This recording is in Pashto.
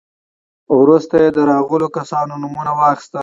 وروسته يې د راغلو کسانو نومونه واخيستل.